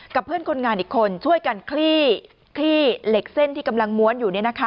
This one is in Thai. เพื่อนคนงานอีกคนช่วยกันคลี่เหล็กเส้นที่กำลังม้วนอยู่